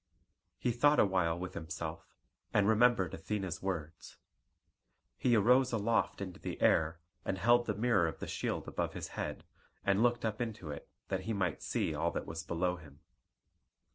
He thought awhile with himself, and remembered Athene's words. He arose aloft into the air, and held the mirror of the shield above his head, and looked up into it that he might see all that was below him.